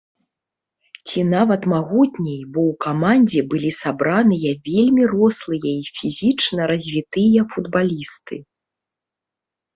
Ці нават магутней, бо ў камандзе былі сабраныя вельмі рослыя і фізічна развітыя футбалісты.